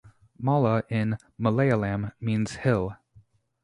"Mala" in Malayalam means "hill".